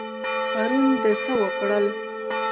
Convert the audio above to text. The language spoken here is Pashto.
پرون د څه وکړل؟